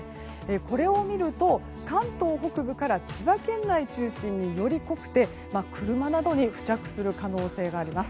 これを見ると、関東北部から千葉県内を中心により濃くて車などに付着する可能性があります。